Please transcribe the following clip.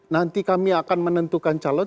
nanti kami akan menentukan calon